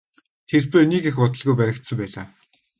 Гэвч тэрбээр нэг их удалгүй баригдсан байлаа.